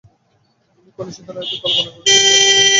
তিনি কলুষিত নাগরিকদের কল্পনা করেছিলেন যারা দুর্নীতি নির্মূল করবেন।